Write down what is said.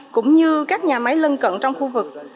cũng như các nhà máy lân cận trong khu vực